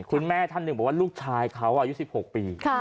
คุณแม่ท่านหนึ่งบอกว่าลูกชายเขาอายุ๑๖ปี